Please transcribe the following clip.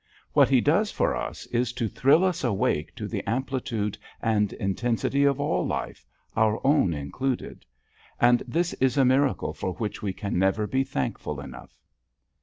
What he does for us is to thrill us awake to the amplitude and intensity of all life, our own included. And this is a miracle for which we can never be thankful enough.